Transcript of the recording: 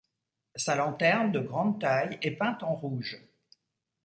Sa lanterne, de grande taille, est peinte en rouge.